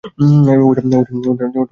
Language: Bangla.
ওটা আমাদের সন্তান।